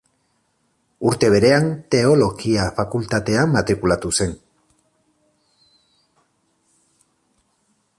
Urte berean Teologia Fakultatean matrikulatu zen.